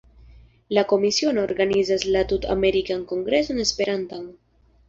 La Komisiono organizas la Tut-Amerikan Kongreson Esperantan.